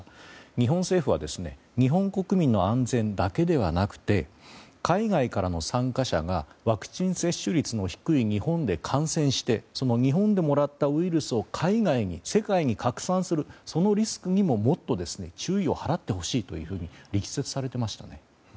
日本政府は日本国民の安全だけではなくて海外からの参加者がワクチン接種率の低い日本で感染してその日本でもらったウイルスを海外に、世界に拡散するそのリスクにももっと注意を払ってほしいというふうに力説されていましたね。